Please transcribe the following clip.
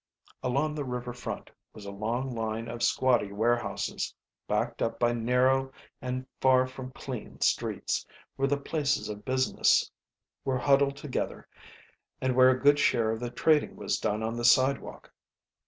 Along the river front was a long line of squatty warehouses, backed up by narrow and far from clean streets, where the places of business were huddled together, and where a good share of the trading was done on the sidewalk.